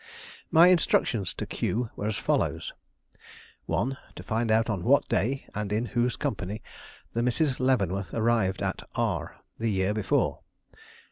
My instructions to Q were as follows: 1. To find out on what day, and in whose company, the Misses Leavenworth arrived at R the year before.